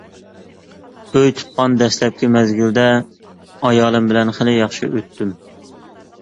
ئۆي تۇتقان دەسلەپكى مەزگىلىدە ئايالىم بىلەن خېلى ياخشى ئۆتتۈم.